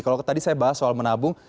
kalau tadi saya bahas soal menabung